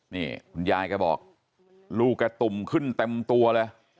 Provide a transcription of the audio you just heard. นี่คุณยายแกบอกลูกแกตุ่มขึ้นเต็มตัวเลย